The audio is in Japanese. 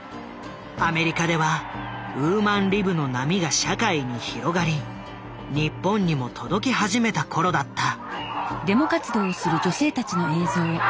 アメリカではウーマンリブの波が社会に広がり日本にも届き始めた頃だった。